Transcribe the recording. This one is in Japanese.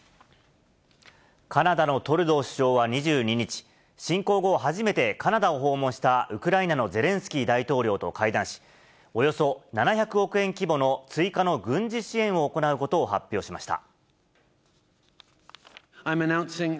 カナダのトルドー首相は２２日、侵攻後初めてカナダを訪問したウクライナのゼレンスキー大統領と会談し、およそ７００億円規模の追加の軍事支援を行うことを発表しました。